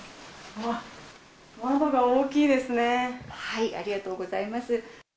ありがとうございます。